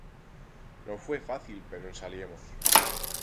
No fue fácil, pero en saliemos.